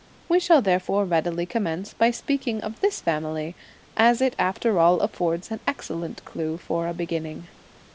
We shall therefore readily commence by speaking of this family, as it after all affords an excellent clue for a beginning.